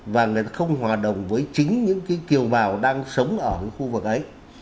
và người ta không hòa đồng với chính những cái kiều bào đang sống ở những khu vực ấy